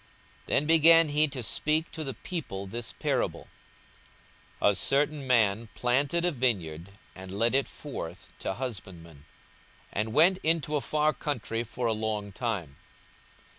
42:020:009 Then began he to speak to the people this parable; A certain man planted a vineyard, and let it forth to husbandmen, and went into a far country for a long time.